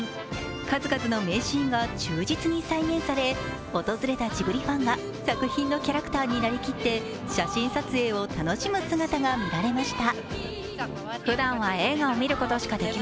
数々の名シーンが忠実に再現され訪れたジブリファンが、作品のキャラクターになりきって、写真撮影を楽しむ姿が見られました。